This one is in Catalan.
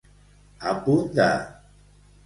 A punt de.